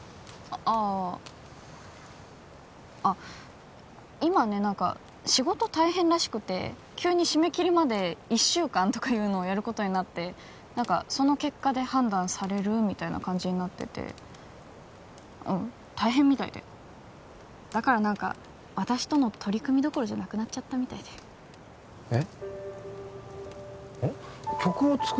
ああっ今ね何か仕事大変らしくて急に締め切りまで１週間とかいうのをやることになって何かその結果で判断されるみたいな感じになっててうん大変みたいでだから何か私との取り組みどころじゃなくなっちゃったみたいでえっ？